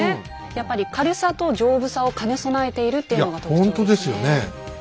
やっぱり軽さと丈夫さを兼ね備えているっていうのが特徴ですね。